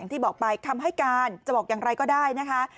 ที่บอกไปคำให้การจะบอกอย่างไรก็ได้นะคะ